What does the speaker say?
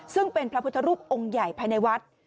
ซึ่งเป็นพระพุทธรูปองค์ใหญ่ภายในวัด